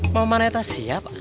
mamang ternyata siap